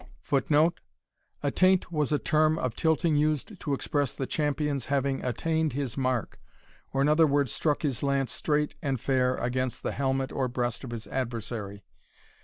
[Footnote: Attaint was a term of tilting used to express the champion's having attained his mark, or, in other words, struck his lance straight and fair against the helmet or breast of his adversary.